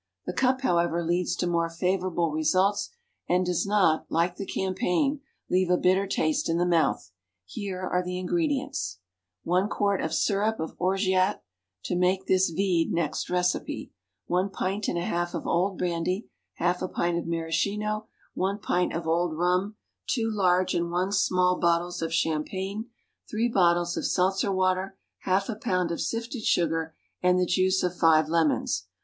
The cup, however, leads to more favourable results, and does not, like the campaign, leave a bitter taste in the mouth. Here are the ingredients: One quart of syrup of orgeat (to make this vide next recipe), one pint and a half of old brandy, half a pint of maraschino, one pint of old rum, two large and one small bottles of champagne, three bottles of Seltzer water, half a pound of sifted sugar, and the juice of five lemons.